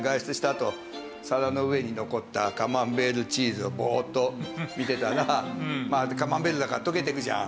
あと皿の上に残ったカマンベールチーズをぼーっと見てたらカマンベールだから溶けてくじゃん。